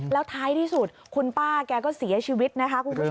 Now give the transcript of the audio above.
แล้วท้ายที่สุดคุณป้าแกก็เสียชีวิตนะคะคุณผู้ชม